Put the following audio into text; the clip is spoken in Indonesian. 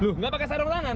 loh gak pake sarung tangan